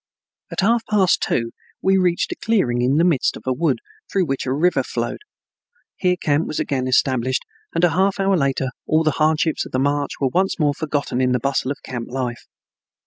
At half past two we reached a clearing in the midst of a wood through which a river flowed. Here camp was again established and a half hour later all the hardships of the march were once more forgotten in the bustle of camp life.